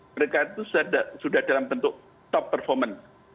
mereka itu sudah dalam bentuk top performance